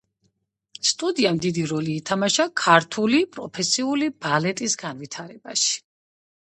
სტუდიამ დიდი როლი ითამაშა ქართული პროფესიული ბალეტის განვითარებაში.